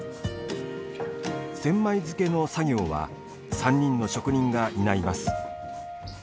千枚漬の作業は３人の職人が担います。